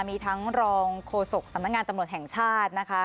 มีทั้งรองโฆษกสำนักงานตำรวจแห่งชาตินะคะ